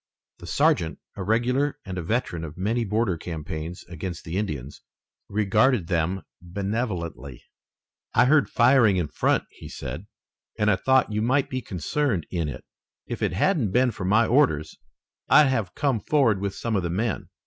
The sergeant, a regular and a veteran of many border campaigns against the Indians, regarded them benevolently. "I heard firing in front," he said, "and I thought you might be concerned in it. If it hadn't been for my orders I'd have come forward with some of the men."